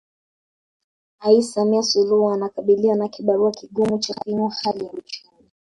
ais Samia Suluhu anakabiliwa na kibarua kigumu cha kuinua hali ya uchumi